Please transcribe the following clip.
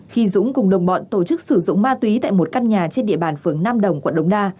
khi dũng cùng đồng bọn tổ chức sử dụng ma túy tại một căn nhà trên địa bàn phường nam đồng quận đống đa